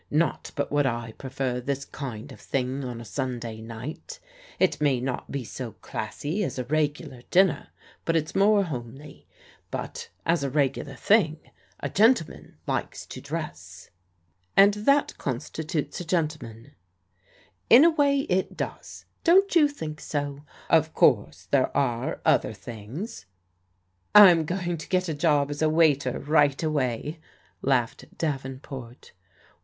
Not but what I prefer this kind of thing on a Stmday night. It may not be so classy as^a regular dinner, but it's more homely. But as a reg ulat thing, a gentleman likes to dress." 74 PEODIGAL DAUGHTERS "And that constitutes a gentleman?" " In a way it does. Don't you think so? Of course there are other things/' " Fm going to get a job as a waiter right away," laughed Davenport.